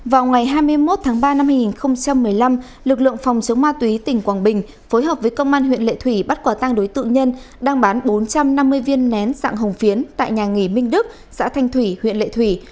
vào ngày hai mươi một tháng ba năm hai nghìn một mươi năm lực lượng phòng chống ma túy tỉnh quảng bình phối hợp với công an huyện lệ thủy bắt quả tăng đối tượng nhân đang bán bốn trăm năm mươi viên nén dạng hồng phiến tại nhà nghỉ minh đức xã thanh thủy huyện lệ thủy